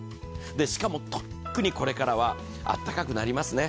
しかも特にこれからはあったかくなりますね。